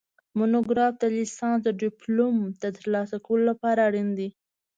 مونوګراف د لیسانس د ډیپلوم د ترلاسه کولو لپاره اړین دی